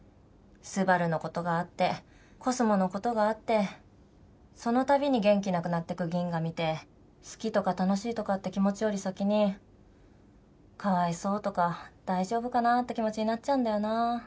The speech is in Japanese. スバルのことがあってコスモのことがあってそのたびに元気なくなってくギンガ見て好きとか楽しいとかって気持ちより先にかわいそうとか大丈夫かなって気持ちになっちゃうんだよな